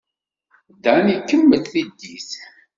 Dan ikemmel tiddit.